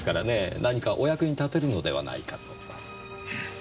何かお役に立てるのではないかと。